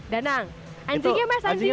danang anjingnya mas anjingnya